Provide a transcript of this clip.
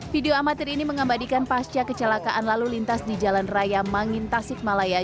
video amatir ini mengabadikan pasca kecelakaan lalu lintas di jalan raya mangin tasik malaya